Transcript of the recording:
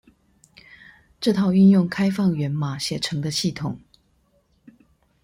這套運用開放源碼寫成的系統